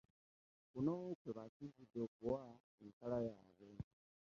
Kuno kwe basinzidde okuwa ensala yaabwe